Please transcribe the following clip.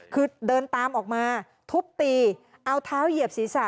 คือเดินตามออกมาทุบตีเอาเท้าเหยียบศีรษะ